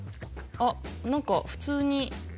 あっなんか普通に。